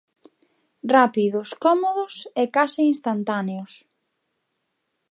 Rápidos, cómodos e case instantáneos.